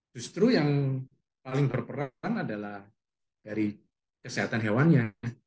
justru yang paling berperan adalah dari kesehatan hewannya